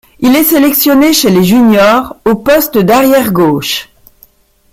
Il est sélectionné chez les juniors au poste d'arrière gauche.